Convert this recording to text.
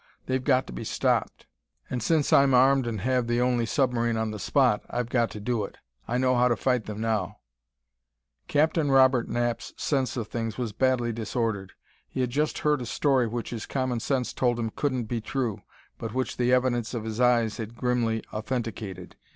They've got to be stopped! And since I'm armed and have the only submarine on the spot, I've got to do it! I know how to fight them now!" Captain Robert Knapp's sense of things was badly disordered. He had just heard a story which his common sense told him couldn't be true, but which the evidence of his eyes had grimly authenticated.